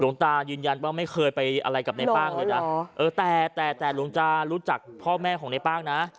ตายืนยันว่าไม่เคยไปอะไรกับในป้างเลยนะแต่แต่หลวงตารู้จักพ่อแม่ของในป้างนะ